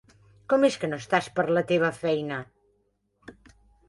Com es que no estàs per la teva feina?